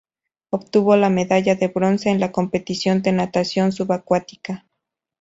Obtuvo la Medalla de bronce en la competición de Natación subacuática.